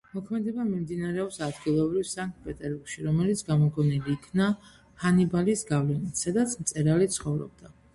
მოქმედება მიმდინარეობს ადგილობრივ სანქტ-პეტერბურგში, რომელიც გამოგონილი იქნა ჰანიბალის გავლენით, სადაც მწერალი ცხოვრობდა.